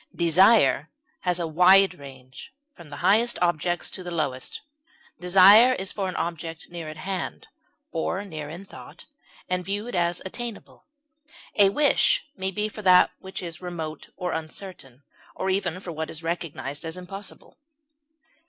Desire has a wide range, from the highest objects to the lowest; desire is for an object near at hand, or near in thought, and viewed as attainable; a wish may be for what is remote or uncertain, or even for what is recognized as impossible.